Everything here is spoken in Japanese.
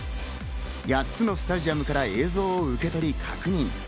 ８つのスタジアムから映像を受け取り確認。